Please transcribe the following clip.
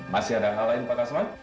masih ada hal lain pak kasman